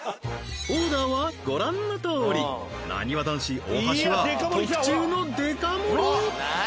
オーダーはご覧のとおりなにわ男子大橋は特注のデカ盛